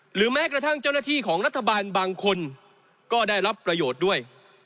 หรือแม้กระทั่งเจ้าหน้าที่ของรัฐบาลบางคนก็ได้รับประโยชน์ด้วย